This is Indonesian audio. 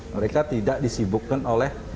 mereka tidak disibukkan oleh